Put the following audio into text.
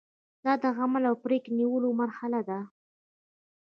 دا د عمل او پریکړې نیولو مرحله ده.